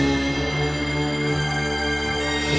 aku tidak mau kamu sakit arim bi